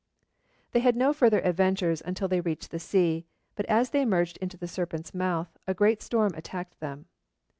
They had no further adventures until they reached the sea; but as they emerged into the Serpent's Mouth, a great storm attacked them.